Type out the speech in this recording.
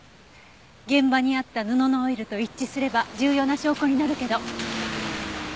現場にあった布のオイルと一致すれば重要な証拠になるけど。